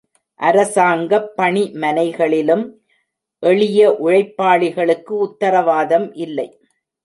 அரசாங்கப் பணிமனைகளிலும் எளிய உழைப்பாளிகளுக்கு உத்தரவாதம் இல்லை.